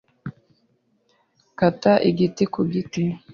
Kata igiti ku giti